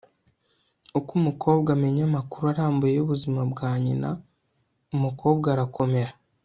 uko umukobwa amenya amakuru arambuye y'ubuzima bwa nyina umukobwa arakomera